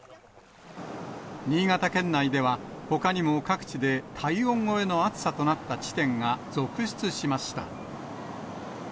新潟県内ではほかにも各地で体温超えの暑さとなった地点が続出しました。